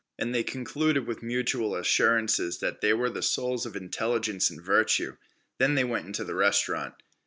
And they concluded with mutual assurances that they were the souls of intelligence and virtue. Then they went into the restaurant.